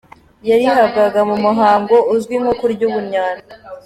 Yarihabwaga mu muhango uzwi nko kurya ubunnyano.